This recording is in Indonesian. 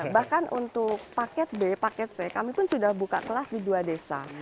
bahkan untuk paket b paket c kami pun sudah buka kelas di dua desa